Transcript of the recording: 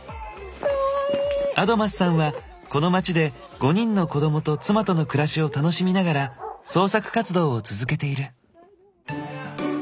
アドマスさんはこの街で５人の子供と妻との暮らしを楽しみながら創作活動を続けている。